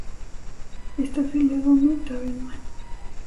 Está afiliada a Mint Avenue.